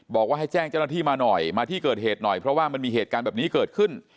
บอกว่าให้แจ้งเจ้าหน้าที่มาหน่อยมาที่เกิดเหตุหน่อยเพราะว่ามันมีเหตุการณ์แบบนี้เกิดขึ้น